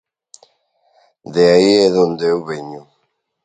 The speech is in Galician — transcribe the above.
De aí é de onde eu veño.